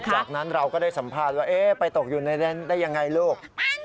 จากนั้นเราก็ได้สัมภาษณ์ว่าไปตกอยู่ในนั้นได้ยังไงลูก